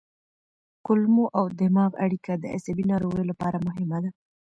کولمو او دماغ اړیکه د عصبي ناروغیو لپاره مهمه ده.